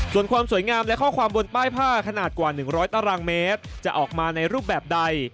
ส่วนความสวยงามและข้อความบนป้ายผ้าขนาดกว่า๑๐๐ตารางเมตรจะออกมาในรูปแบบใด